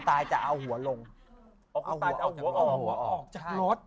คนตายจะเอาหัวออกจากรถ